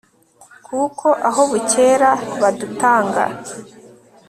kuko aho bukera badutanga